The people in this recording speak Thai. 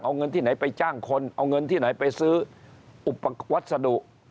เอาเงินที่ไหนไปจ้างคนเอาเงินที่ไหนไปซื้ออุปกรณ์วัสดุ